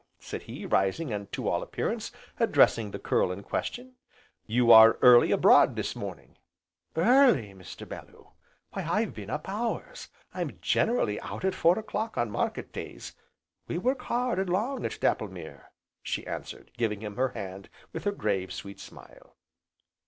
said he, rising and, to all appearance, addressing the curl in question, "you are early abroad this morning!" "Early, Mr. Bellew! why I've been up hours. I'm generally out at four o'clock on market days; we work hard, and long, at Dapplemere," she answered, giving him her hand with her grave, sweet smile.